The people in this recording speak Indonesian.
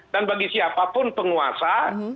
dan bagi siapapun penguasa